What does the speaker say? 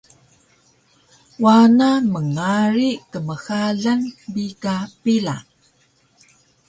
wana mngari kmxalan bi ka pila